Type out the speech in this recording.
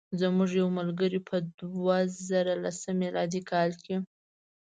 زموږ یو ملګری په دوه زره لسم میلادي کال.